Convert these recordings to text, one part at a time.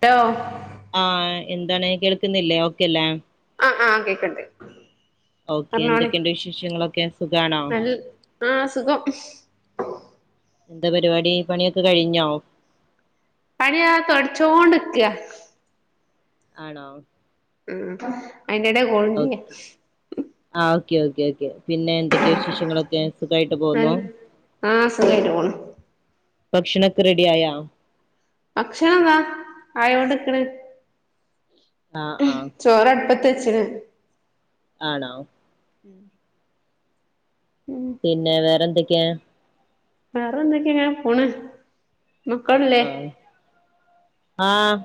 ട്ടോ ആഹ് എന്താണ് കേൾക്കുന്നില്ലേ ഓക്കെല്ലേ അഹ് ആഹ് കേക്ക്ണ്ട്. ഓക്കെ പറഞ്ഞോളി എന്തൊക്കെണ്ട് വിശേഷങ്ങളൊക്കെ സുഖാണോ നല്ല ആഹ് സുഖം എന്താ പരിപാടീ പണിയൊക്കെ കഴിഞ്ഞോ പണിയാ തൊട്ച്ചോണ്ട്ക്ക. ആണോ ഉം അയിന്റെടെ കോളുംചെയ്യാ. ഓക്കെ ആഹ് ഓക്കെ ഓക്കെ ഓക്കെ പിന്നെ എന്തൊ ക്കെ വിശേഷങ്ങളൊക്കെ സുഖായിട്ട് പോവുന്നോ ആഹ് സുഖായിട്ട് പോണ് ഭക്ഷണൊക്കെ റെഡിയായാ ഭക്ഷണംതാ ആയോണ്ട്ക്ക്ണ് ആഹ് ആഹ് ചോറടുപ്പ ത്തെച്ച്ണ്. ആണോ ഉം ഉം പിന്നെ വേറെന്തെക്കേ വേറെ എന്തൊക്കെ ങ്ങെനെ പോണ്. അഹ് മക്കളില്ലേ ആഹ്. ആഹ്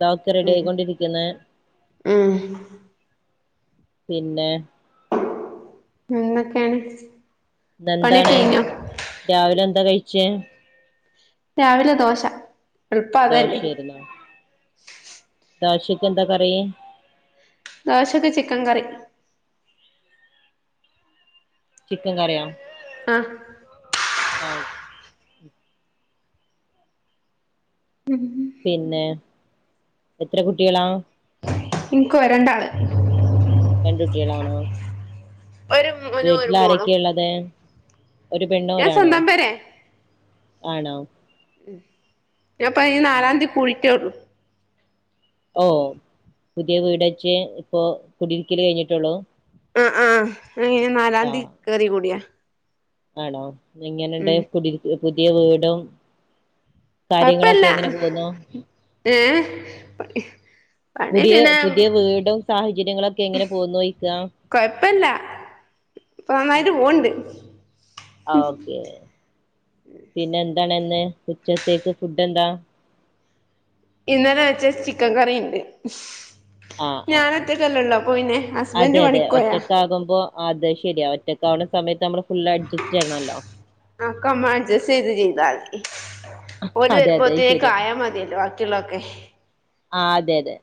ദാ ഒക്കെ റെഡി ഉം ആയിക്കൊണ്ടിരിക്ക്ന്ന്. ഉം ഹ് പിന്നെ, വേറെക്കേണ് ന്നെന്താണ് രാവിലെ എന്താ കഴിച്ചേ രാവിലെ ദോശ. എളുപ്പം അതല്ലേ ദോശേര്ന്നോ ദോശക്കെന്താ കറി ദോശക്ക് ചിക്കൻ കറി. ചിക്കൻ കറിയാ ആഹ്. ആ മ് പിന്നെ എത്ര കുട്ടികളാ? ഇൻക്കോ രണ്ടാള്. രണ്ടുട്ട്യളാണോ? ഒരു മോനും ഒരു മോളും വീട്ടിലാരൊക്കാനുള്ളത് ഒരു ഞാൻ പെണ്ണോഒരാണോ? സ്വന്തം പേരെ ആണോ? ഞാൻപ്പം ഈ ആ നാലാംതീ ആ പുഴിട്ടേ ഒള്ളൂ ഓ പുതിയ വീടച്ച് ഇപ്പൊ കുടിയിരിക്കൽ കഴിഞ്ഞിട്ടൊള്ളു ആ ആ മെയ് നാലാംതി കയറി കൂടിയാ ആണോ എങ്ങനെണ്ട് ഉം കുടിൽ പുതിയ വീടും കാര്യങ്ങളൊക്കെ കൊഴപ്പല്ല എങ്ങനെ പോവുന്നു ഏ പണി പുതിയ പിന്നെ പുതിയ വീടും സാഹചര്യങ്ങളൊക്കെ എങ്ങനെ പോവുന്നുയിക്ക കൊഴപ്പല്ല ഇപ്പൊ നന്നായിട്ട് പോണ്ട് അഓക്കേ പിന്നെ എന്താണ്ന്ന് ഉച്ചത്തേക്ക് ഫുഡ്ഡന്താ ഇന്നലെ വെച്ചാ ചിക്കൻ കറിണ്ട് ആ ആ ആ ഞാനൊറ്റക്കല്ലല്ലോ അപ്പൊ പിന്നെ ഹസ്ബൻഡ് പണിക്കോയാ ആകമ്പോ അത് ശെരിയാ ഒറ്റക്കാവ്വണ സമയത്ത് മ്മള് ഫുള് അഡ്ജസ്റ്റ് ചെയ്യണല്ലോ ആ കമാട്ജസ്റ്റ് ചെത് ചെയ്താതി ഓര് അതെ അതെ അത് ശരിയാ വരുമ്പോത്തിൻകായ മതില്ലോ ബാക്കിയുള്ളൊക്കെ ആ തെ തെ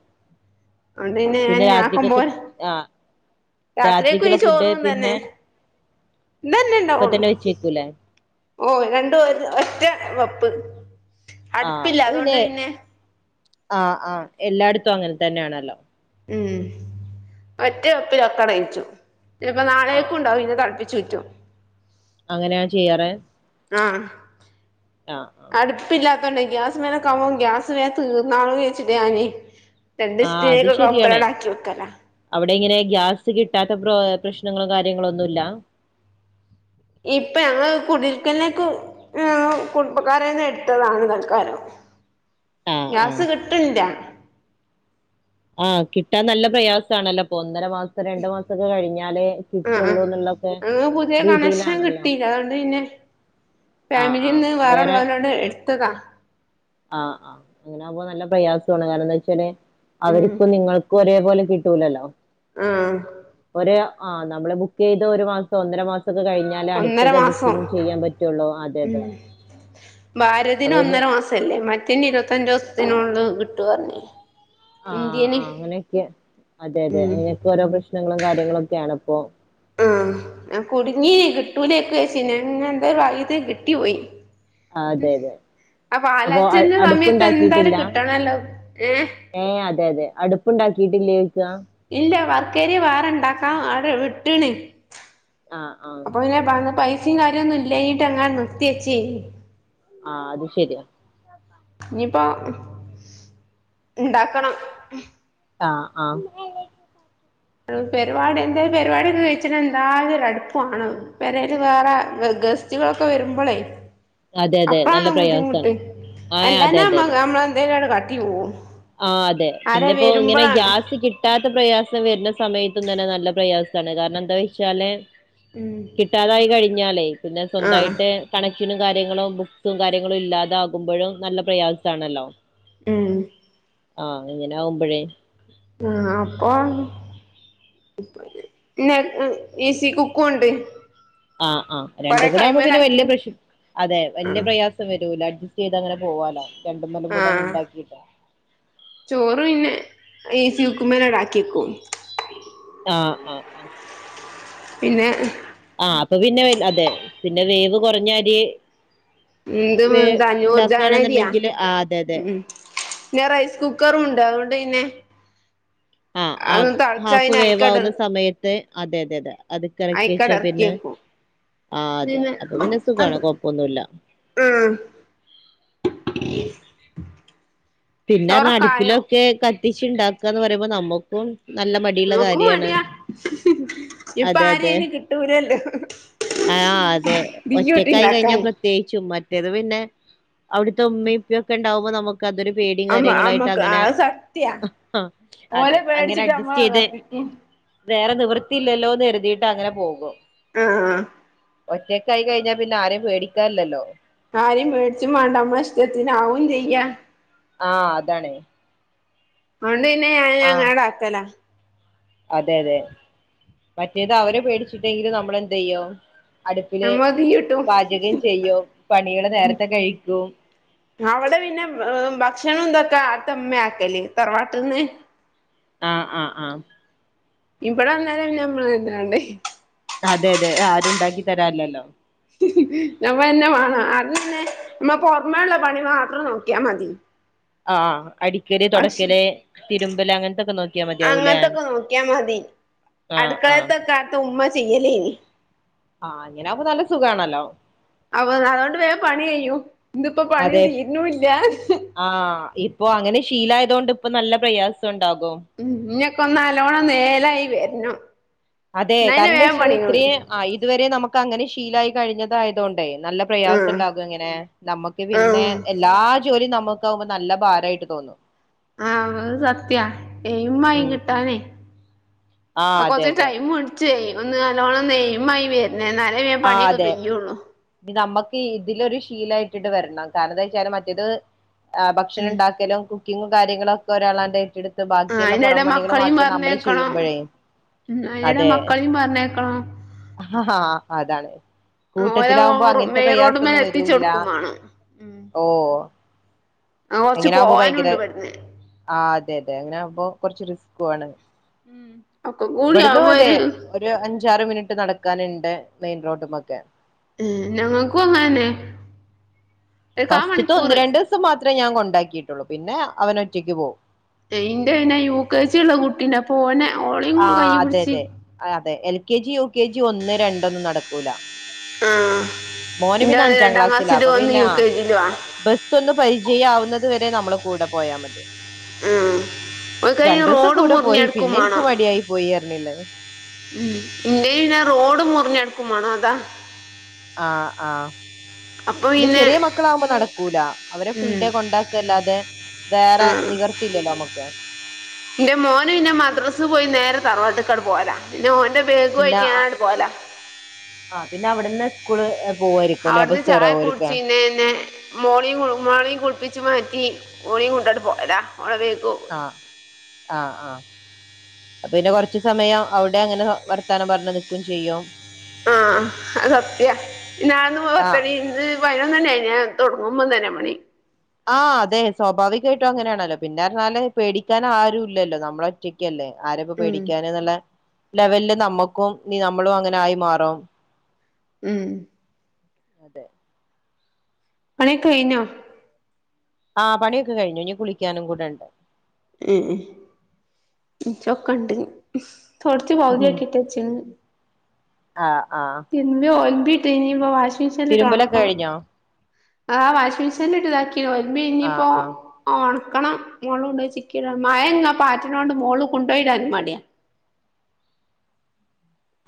അവ്ണ്ടന്നെ ആക്കമ്പോലെ ആ രാത്രിക്കും ഈ രാത്രിക്കുള്ള ഫുഡ് ചോറും തന്നെ പിന്നെ ന്നന്നെണ്ടാ ഇപ്പ വുള്ളു തന്നെ വെച്ചേക്കൂലേ ഓ രണ്ടു ഒര് ഒറ്റവെപ്പ് ആ അടുപ്പില്ല അപ്പൊ അതോണ്ട് പിന്നെ ആ ആ എല്ലാട്ത്തും അങ്ങനെ തന്നെണല്ലോ ഉം ഒറ്റ വെപ്പിലൊക്കെയ്ച്ചു ഇപ്പോ ആ നാളെക്കുണ്ടാവും പിന്നെ തള്പ്പിചൂറ്റും അങ്ങനെ ചെയ്യാറ് ആ ആ ആ അട്ത് പ്പില്ലാത്തോണ്ട് ഗ്യാസ് മലെക്കെവുമ്പോ ഗ്യാസ് വേം തീർന്നാൽ വെച്ചിട്ട് ഞാൻ രണ്ടീസത്തിൻ കൊപ്പെരാക്കി വെക്കലാ അവ്ടെങ്ങനെ ഗ്യാസ് കിട്ടാത്ത പ്രോ പ്രശ്നങ്ങളും കാര്യങ്ങളും ഒന്നുല്ല ഇപ്പം ഞങ്ങൾ കുടിയിര്ക്കൽൻ കുടുംബക്കാരന്നെ എടുത്തതാണ് തൽക്കാരം [inaudible] ആ ഗ്യാസ് കിട്ടണ്ല്ല ആഹ കിട്ടാൻ നല്ല പ്രയാസാണല്ലോ പ്പൊ ഒന്നര മാസ രണ്ടു മാസൊക്കെ കഴിഞാൽ ആഹ് കിട്ടൊള്ളൂ ആഹ് ന്നുള്ളൊക്കെ രീതിയിലാണല്ലോ റ്റാണ്ട് പിന്നെ ആഹ് ആഹ് ഫാമിലിന്ന് വേറെള്ളോരോണ്ട് എട്ത്തതാ ആഹ ആഹ അങ്ങനെവുമ്പോ നല്ല പ്രയാസുണ് കാരണന്താച്ചാല് ഉം അവരിപ്പം നിങ്ങൾക്കു ഒരേപോലെ കിട്ട ആഹ് ഒരു ആ ന്നമ്മൾ ബുക്കയ് തോരും ഒരു മാസ ഒന്നമാസക്കൊകഴിഞ്ഞാൽ ന്നാലെ ഒന്നര അടുത്തത് മാസം ബുക്കിംഗ ചെയ്യാൻ പറ്റുള്ളൂ അതെ അതെ ഉം അ റ്റല്ലേ മറ്റേന്നെ ഇരുപത്തഞ്ചോസത്തിനോൾ കിട്ടോർബിനു ആ ആ അങ്ങനെയൊക്കെ അതെ അതെ ഉം അങ്ങനെത്തെ ഓരോ പ്രശ്നങ്ങളും കാര്യങ്ങളും ഒക്കെയാണ് പ്പോ ആ ഞാൻ കുടുങ്ങി കിട്ടൂലെക്കും രേചീനി പിന്നെ എന്തോ വാഗ്യത്തിൽ കിട്ടി പോയി ആ, അതെ അതെ ആ അപ്പൊ പാലാച്ചൽന്റെ സമയത്ത് എന്തായാലും കിട്ടണല്ലോ ഏ ഏ അതെ അതെ അടുപ്പ് ഉണ്ടാക്കിയിട്ടില്ലേയ്ച്ച ഇല്ല വർക്കേരി വേറെ ഇണ്ടാക്കാം അവിടെ വിട്ട്ണ് ആഹ് ആഹ് അപ്പൊ പിന്നെ പൈസയും കാര്യന്നും ഇല്ലയ്ട്ട് അങ്ങനെ നിർത്തിച്ചെനി ആ അത് ശെരിയാ ഇഞ്ഞിപ്പോ ഇണ്ടാക്കണം ആ ആ പെരുവാടി എന്തേ പെരിവാടിക്കെ കഴിച്ചിട്ട ന്തായാലും ഒരു അടുപ്പു വാണം പെരൽ വേറെ ഗസ് ജ്കളൊക്കെ വരുമ്പളേ അതെ തെ നല്ല പ്രയാസാണ് ആ ഏ അതെ തെ അതെ മ്മന്തെലും കാട്ടി പോവും ആ അതെ ആരേ പിന്നെപ്പോ ങ്ങനെ വരുമ്പളാണ് ഗ്യാസ് കിട്ട് കിട്ടാത്ത പ്രയാസം വരുന്ന സമയത്തും തന്നെ നല്ല പ്രയാസമാണ്! കാരണം എന്താ വെച്ചാല്? ഉം കിട്ടാതായി കഴിഞ്ഞാലേ പിന്നെ ആഹ് സ്വന്തമായിട്ട്... കണക്ഷനും കാര്യങ്ങളും ബുക്സും കാര്യങ്ങളും ഇല്ലാതെ ആകുമ്പോഴും നല്ല പ്രയാസമാണല്ലോ? ഉം.... ആഹ് ഇങ്ങനെ ആകുമ്പോഴേ... ആഹ് അപ്പ.... പിന്നെ ഈ സീ കുക്കുമുണ്ട്! ആഹ് ആഹ്! രണ്ടും കൂടെ ആവുമ്പോ പിന്നെ പ്രശം അതെ വല്യ ആഹ് പ്രയാസ... സം വരുല്ല. അഡ്ജസ്റ്റ് ചെയ്ത് അങ്ങെ പോവാലോ? രണ്ടുമ്മലും കൂടെ ആഹ്! ഉണ്ടാക്കിട്ട് ചോറ് പിന്നെ ഏ സി കുക്കുമ്പേ ആക്കി വക്കും! ആഹ് ആഹ് ആഹ! പിന്നെ... ആഹ് അപ്പൊ പിന്നെ അതെ, പിന്നെ വേവ് കുറഞ്ഞ അരി... എന്ത് വേ എന്താ അഞ്ഞൂറ് ജനരിയാ ഉണ്ടാക്കുകയാണെന്നുണ്ടെങ്കില് ആഹ് അതെ അതെ ഉം... പിന്നെ റൈസ് കുക്കറും ഉണ്ട്! അതുകൊണ്ട് പിന്നെ... ആ ആ അത് തളച്ച ഹാഫ് അതിന് വേവ് അയിക്കട ആവുന്ന സമയത്ത് അതെ അതെ അതെ! ! അത്ക്കെറക്കി അയിക്കട വച്ചാ ഇറക്കി പിന്നെ, വെക്കും ആ അതെ പിന്നെ അതു പിന്നെ സുഖമാണ് അത് കൊഴപ്പൊന്നുമില്ല. ഉം... പിന്നെ അങ്ങ് ചോറൊക്കെ ആയോ അടുപ്പിലൊക്കെ കത്തിച്ച് ഉണ്ടാക്കുകാന്നു പറയുമ്പോ നമുക്കും നല്ല മടി.... നമ്മക്കും മടിയാ ഹ്ഹ് ഹ ഇപ്പ അതെ ആരെയും അതെ അതിനു കിട്ടൂലല്ലോ! ! ആഹ് അതെ ഒറ്റക്കായി കഴിഞ്ഞ... ഉണ്ടാക്കാന് പ്രത്യേകിച്ചും മറ്റേത് പിന്നെ, അവിടുത്തെ ഉമ്മയും, ഉപ്പയും ഒക്കെ ഉണ്ടാവുമ്പോ നമുക്ക്.... അതൊരു പേടിയും അമ്മ കാര്യങ്ങളായിട്ട് അമ്മക്ക് അങ്ങനെ അത് സത്യാ അതെ! ഓലെ അങ്ങനെ പേടിച്ചിട്ട് അഡ്ജസ്റ്റ് നമ്മള് ചെയ്ത്... കത്തിക്കും വേറെ നിവൃത്തിയില്ലല്ലോന്ന് കരുതിയിട്ട് അങ്ങനെ പോകും. ആഹ്! ഒറ്റക്കായി കഴിഞ്ഞാ പിന്നെ ആരെയും പേടിക്കാനില്ലല്ലോ! ! ആരും മേടിച്ചും വേണ്ട മ്മ ഇഷ്ടത്തിന് ആവും ചെയ്യ.. ആഹ്! അതാണ്! അതൊണ്ട്ന്നെ ആഹ് ഞാഞങ്ങാട ആക്കല.. അതെ അതെ! മറ്റേത് അവരെ പേടിച്ചിട്ടെങ്കിലും നമ്മള എന്ത് ചെയ്യും? അടുപ്പില് നമ്മ തീയിട്ടും പാചകം ചെയ്യും, പണികള് നേരത്തെ കഴിക്കും. അവിടെ പിന്നെ ഭക്ഷണം എന്തൊക്കാ അടുത്തമ്മ ആക്കല് തറവാട്ടിൽന്ന്.. ആഹ് ആഹ് ആഹ്! ! ! ഇവിടെ അന്നേരം പിന്നെ നമ്മള് തന്നെ വേണ്ടേ? അതെ അതെ! ! ആരും ഉണ്ടാക്കി തരാനില്ലല്ലോ! നമ്മൾന്നെ വേണം. അന്നെ നമ്മൾ പൊറമേ ഒള്ള പണി മാത്രം നോക്കിയാ മതി! ആഹ്! അടിക്കടി ഭക്ഷ തൊടയ്ക്കല്, തിരുമ്മല് അങ്ങനത്തൊക്കെ നോക്കി... അങ്ങനത്തൊക്കെ നോക്കിയാൽ മതി! ആഹ് ആഹ് അടുക്കളത്തൊക്കെ അകത്തു ഉമ്മ ചെയ്യലേല്ലേ നി... ആഹ്! അങ്ങനാവുമ്പോൾ നല്ല സുഖമാണല്ലോ? അപ്പൊ അതൊണ്ട് വേഗം പണി കഴിയും! ഇന്തിപ്പോ പണി അതെ തീരുന്നൂ ഇ ല്ല... ആഹ്! ഇപ്പൊ അങ്ങനെ ശീലായതൊണ്ട് ഇപ്പൊ നല്ല പ്രയാസം ഉണ്ടാകും! ഉം... ഇനിയൊക്കെ ഒന്ന് നല്ലോണം നേരായി വരണം. അതെ എന്നാ പിന്നെ കാരണം വേഗം ന്താച്ച പണി കഴിയും ഇത്രയും... ആഹ്! ഇതുവരെ നമുക്ക് അങ്ങനെ ശീലായി കഴിഞ്ഞതു ആയതൊണ്ടേ നല്ല പ്രയാസം ആഹ് ഉണ്ടാകും എങ്ങനെ... നമ്മുക്ക് പിന്നെ ആഹ് എല്ലാ ജോലിയും നമുക്ക ആവുമ്പോ നല്ല ഭാരയിട്ട് തോന്നും! ! ആഹ് അത് സത്യ എയിം ആയി ഉം ഉം കിട്ടാനെ ആഹ് ആ അതെ കൊറച്ച അതെ ടൈം മ ചെയ്യു ഒന്ന് നല്ലോണം നെയമായി വര എന്നാലേ പണിയൊക്കെ കഴിയുള്ളു ഇതു നമ്മുക്ക് ഇതിലൊരു ശീലായിട്ടിട്ട് വരണം കാരണം എന്താ വെച്ചാല് മറ്റേതു ആഹ് ഭക്ഷണം ഉം ഉണ്ടാക്കലും, കുക്കിങ്ങും, കാര്യങ്ങളും ഒക്കെ ഒരാളാന്റെ ഏറ്റെടു ആഹ് ബാക്കിയുള്ള അയിനെടെ പുറം പണികൾ മക്കളെയും മാത്രം നമ്മള് പറഞ്ഞേക്കണം ചെയ്യുമ്പോഴേ ഉം അയിനെടെ അതെ മക്കളെയും പറഞ്ഞേക്കണം അതാണ് ഓലെ കൂട്ടത്തിലാാവുമ്പോ അങ്ങനത്തെ മെയിൻ റോഡുമ്മേ പ്രയാസംന്നും എത്തിച്ചു വരൂല്ല കൊടുക്കും വേണം ഓഹ് ആ കൊറച്ച് പോവാനും ഉണ്ട് പെടുന്ന ആഹ് അതെ അതെ അങ്ങനെ ആമ്പോ കൊറച്ച് റിസ്ക് ആണ് ഉം ഇവിടന്ന് അതെ ഒരു അഞ്ചാറ് മിനിറ്റ് നടക്കാനുണ്ട് മെയിൻ റോഡുംമുക്കെ [unintelligible] ഞങ്ങക്ക് ങ്ങാനെ പസ്റ്റിത്ത് ഒന്ന് രണ്ടണ്ട് ദിവസം മാത്രമേ ഞാൻ കൊണ്ടാക്കിയിട്ടുള്ളൂ പിന്നെ അവൻ ഒറ്റയ്ക്ക് പോകും ന്റെ പിന്നെ യു കെ ജി ഉള്ള കുട്ടീനെ പോനെ ഓളി കൈ അതെ പിടിച്ച് അതെ ആഹ് അതെ L K G U K G ഒന്ന് രണ്ട ഒന്നും നടക്കൂല ആ മോന് എൻ്റെ പിന്നെ അഞ്ചാം രണ്ടാം ക്ലാസ്സിലാ ക്ലാസ്സില അപ്പൊ ഒന്ന് പിന്നെ യു ആഹ് കെ ജിയിലൂ ആണ് ബസ് ഒന്ന് പരിചയ ആവുന്നത് വരെ നമ്മൾ കൂടെ പോയാ മതി ഉം ഓൽക്കയിന് രണ്ടു ദിവസം റോഡ് കൂടെ പോയി മുറിഞ്ഞടുക്കും പിന്നെ എനിക്ക് മടിയായി പോയി അറിഞ്ഞില്ലേ [unintelligible] ഇന്ന പിന്ന റോഡ് മുറിഞ്ഞെടുക്കും വേണോ അതാ ആഹ് ആഹ് പിന്നെ ചെറിയ മക്കളാകുമ്പോ നടക്കൂല അവരെ ഫുൾ ഡേ കൊണ്ടാക്കല്ലാതെ ആ വേറെ നിവർത്തില്ലല്ലോ നമുക്ക് എന്റെ മോന് പിന്നെ മദ്രാസിൽ പോയി നേരെ തറവാത്തിക്കാട് പോരാ പിന്നെ മോന്റെ പിന്നെ ബാഗും ആയിട്ട് പോല്ല ആഹ് പിന്നെ അവിടുന്ന് സ്കൂള് പോവായിരിക്കും അല്ലെ അവിടുന്ന് ബസ് ചായ കയറാവോരിക്ക കുടിച്ചീന്നെന്നെ മോർണി മോർണിംഗ കുപ്പിച്ച് മാറ്റി മോർണിംഗ കൊണ്ടോട്ട് പോയരാ ഉളവേക്കും അഹ് ആഹ് ആഹ് അപ്പ പിന്നെ കൊറച്ച സമയം അവിടെ അങ്ങനെ വർത്താനം പറഞ്ഞു നിൽക്കും ചെയ്യും ആഹ് അ സത്യ ഇനന്ന് ആഹ് [unintelligible] വയനോ തന്നെ അയിന് തുടങ്ങുമ്പോ തന്നെ മണി ആഹ് അതെ സ്വാഭാവികമായിട്ടും അങ്ങനെയാണല്ലോ പിന്നെഞ്ഞാല് പേടിക്കാൻ ആരുും ഇല്ലല്ലോ നമ്മളെ ഒറ്റക്കല്ലേ ആരപ്പോ ഉം പേടിക്കാന എന്നുള്ള ലെവലില് നമ്മുക്കും ന നമ്മളും അങ്ങനെ ആയി മാറും ഉം അതെ പണിയൊക്കെ കഴി ഞോ ആഹ് പണിയൊക്കെ കഴിഞ് ഇനി കുളിക്കാനും കൂടെ ഉണ്ട് ഉം ചൊക്കണ്ട് തുടച്ച് പൗതിയാക്കിട്ട വച്ചന്ന് ആഹ് ആഹ് ഒമ്പിട്ട് ഇ ഇപ്പൊ വാഷിംഗ് മിഷീൻലിട്ട് ഒന്ന് തിരുമ്പലൊക്കെ ഓണ്ക്കണം കഴിഞ്ഞോ ആഹ് വാഷിംഗ മെഷീനില ഇട്ട്താക്കി വമ്പ ആഹ് ഇനിയിപ്പോ ആഹ് ജെആഹ് ണക്കണം മോള് കൊണ്ട്പോയി ചിക്കിട മഴാ പാറ്റിനോണ്ട് മോള് കൊണ്ടുപയി മടിയാ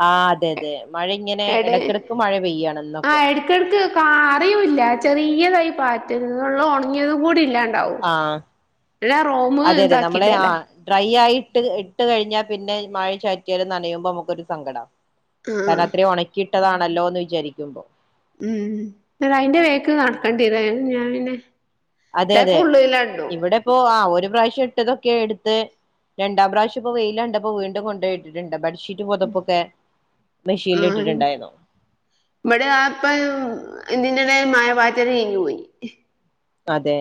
ആഹ് അതെ അതെ മഴ ഇങ്ങനെ ഇടക്കിടക്ക് മഴ പെയ്യാണ് എന്നൊക്കെ ക്ക് അറിയവില്ല ചെറിയതായി പാറ്റ എന്നള്ള ഉണങ്ങിയത കൂടി ഇല്ലാ ആഹ് അതെ അതെ നമ്മളെ [unintelligible] ആഹ് [unintelligible] ഡ്രൈ ആയിട്ട് ഇട്ട് കഴിഞ്ഞാൽ പിന്നെ മഴ ചാറ്റൽ നനയുമ്പോ നമുക്കൊരു സങ്കടം കാരണം ആഹ് അത്രയും ഉണക്കിയിട്ടതാണല്ലോ എന്ന് വിചാരിക്കുമ്പോ ഉം അഹ് അയിന്റെ വേക്ക് ഉം നടക്കേണ്ടിര ഞാൻ പിന്നെ ചെല്പ്പംഉള്ളിലണ്ടും ഇപ്പൊ ആഹ് ഒരു പ്രാവശ്യം ഇട്ടതൊക്കെ എടുത്ത് രണ്ടാം പ്രാവശ്യ ഇപ്പോ വെയിയിലാണ്ട പോ വീണ്ടൂം കൊണ്ടൊയിട്ടീട്ടുണ്ട് ബെഡ് ഷി മ പുതപ്പൊക്കെ മെഷീന്ൽ ആഹ് ഇട്ടിട്ടുണ്ടായിരുന്നൊ ഇവിടെ ആപ്പ എന്ടെ മായ പാറ്റ കഞ്ഞു പോയി അതെ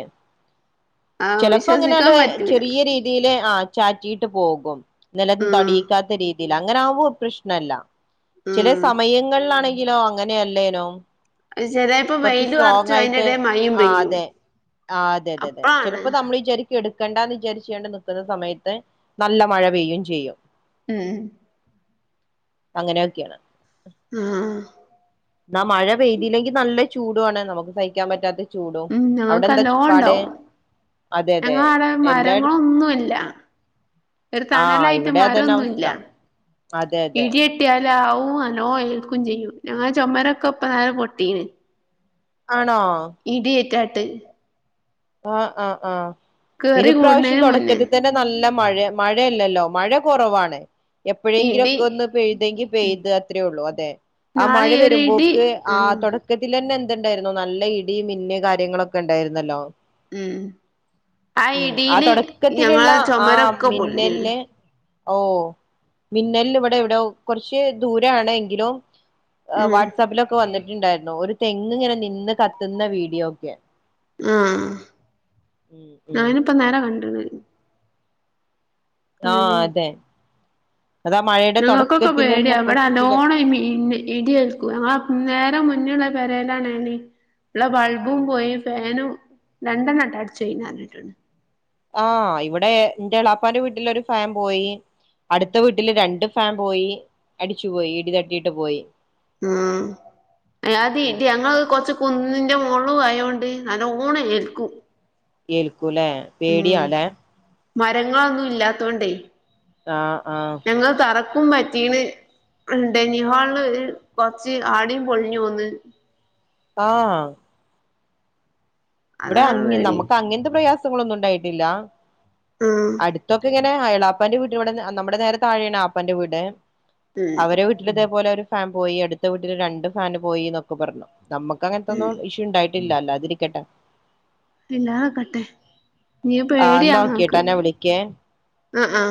ആഹ് ചെലപ്പോ അങ്ങനെയാണ്ട്‌ വിശ്വസിക്കാൻ പറ്റൂല ചെറിയ രീതി ഇതീല് ആ ചാറ്റിയിട്ട് പോകും നിലം ആഹ് തൊടിയിക്കാത്ത രീതി ലങ്ങനാവുമ്പോ പ്രശ്നല്ല ചെല ആഹ് സമയങ്ങളിലാണെങ്കിലോ അങ്ങനെയല്ലേനും അത് ചെലേ കൊറച്ച് സ്ട്രോങ് ആയിട്ട് ആ അതെ ആ അതെതെതെ അപ്പളാണ് ചെലപ്പോ നമ്മള് വിചാ എടുക്കണ്ടാന്നിചാരിച്ചാണ്ട് നിക്കുന്ന സമയത്ത് നല്ല മഴ പെയ്യയും ചെയ്യും ഉം അങ്ങനെയൊക്കെയാണ് ആഹ് ന്നാ മഴ പെയ്തീല്ലെങ്കി നല്ല ചൂടുആണ് നമുക്ക് സഹിക്കാൻ പറ്റാത്ത ചൂടും ഉം അവിടെ എന്താ പാട് ഞങ്ങൾക്കല്ലോണ്ടാവും അതെ അതെ ഞങ്ങളാടെ എല്ലായിട മരങ്ങളൊന്നുല്ല ഒരു ആഹ് തണലായിട്ട് ഇവിടെ അതന്നെ മരൊന്നുല്ല അവസ്ഥ അതെ അതെ ഇടിയെട്ട ട്ട്യാലാവൂ നല്ലോ ഏൽക്കും ചെയ്യും ഞങ്ങളെ ചൊമരൊക്കെപ്പന്നാരെ പൊട്ടീനിം ആണോ ഇടിയേറ്റാട്ട് ആഹ് ആഹ് ആഹ് കേറി പിന്നെപ്രാവ്ശ്യം കൂടണേന് മുന്നേ തുടക്കത്തിൽ തന്നെ നല്ല മഴ മഴയല്ലല്ലോ മഴ കൊറവാണ് ഇടി എപ്പോഴെങ്കിലൊക്കെ ഒന്ന് പെയ്തെങ്കി ഉം പെയ്ത് അത്രേ ഉള്ളൂ അതെ ആ ഇന്നാള് മഴ ഒരു ഇടി വരുമ്പോക്ക് ആ ആഹ് തൊട ക്കത്തിലെന്നെ എന്തുണ്ടായിരുന്നു നല്ല ഇടി മിന്ന് കാര്യങ്ങളൊക്കെ ണ്ടായിരുന്നല്ലോ ഉം ആ ഉം ആ ഇടീല് തൊടക്കത്തില്ള്ള ഞങ്ങളെ ആ ചുമരൊക്കെ പൊളിഞ്ഞീണ് മിന്നല്ല് ഓ മിന്നലിനിവിടെവിടോ കൊറച്ച് ദൂരാണെങ്കിലും ആ ഉം വാട്സപ്പിലൊക്കെ വന്നിട്ടുണ്ടായിരുന്നു ഒരു തെങ്ങ്ങ്ങനെ നിന്ന് കത്തുന്ന വീഡിയോ ഒക്കെ ആഹ് ഉം ഉം ഞാനിപ്പന്നാര കണ്ടിണ് ആഹ് അതെ അതാ മഴ ഞങ്ങൾക്കൊക്കെ പേടിയ വിടല്ലോണം മിന്നു ഇടിയേ ക്കു ഞങ്ങളനേരെ മുന്നുള്ള പെരേലാണ് ണീ ള്ള ബൾബും പോയി ഫാനും രണ്ടെണ്ണറ്റ് അട്ച്ചോയിന്നർഞ്ഞിട്ടുണ്ട് ആഹ് ഇവിടെന്റെളാപ്പാന്റെ വീട്ടിലൊരു ഫാൻ പോയി അടുത്ത വീട്ടില് രണ്ട് ഫാൻ പോയി അടിച്ചുപോയി ഇടിതട്ടീട്ട് പോയി ഉം ഉം അല്ലാതെ ഉം ഇടി ഞങ്ങൾക്ക്‌ കൊർച്ച് കുന്നിന്റെ മോള്ളും ആയോണ്ട് നല്ലോണം ഏൽക്കും ഏൽക്കുലേ ഉം മരങ്ങളൊന്നും ഇല്ലാത്തോണ്ടേ ആഹ് ആഹ് ഞങ്ങളെ തറക്കും പറ്റീണ് ഡൈനിങ് ഹാള്ള് കൊർച്ച് ആടയും പൊളിഞ്ഞു പോന്ന് ആഹ് ഇവിടെ അതാണ് അങ്ങി പേടി നമുക്ക് അങ്ങൻത്തെ പ്രയാസങ്ങളൊന്നുണ്ടായിട്ടില്ല ആഹ് അടുത്തൊക്കെ ഇങ്ങ എളാപ്പാന്റെ വീട്ടിൽല് വ്ട്ന്ന് നമ്മുടെ നേരെ താഴെയാണ് ആപ്പാന്റെ വീട് ഉം അവരെ വീ ട്ടിലിതേപോലെ ഒരു ഫാൻ പോയി അടുത്ത വീട്ടില് രണ്ട് ഫാൻ പോയിന്നൊക്ക പറഞ്ഞു നമുക്ക് ഉം അങ്ങൻത്തൊന്നും ഇഷ്യൂ ഉണ്ടായിട്ട ട്ടില്ല ല്ലാതിരിക്കട്ടെ ഇല്ലാതക്കട്ടെ ഞ്ഞി ആ എന്നാ ഓക്കെട്ടോ പേടിയാങ്ങക്ക് ഞാൻ വിളിക്കേ ആ ആഹ്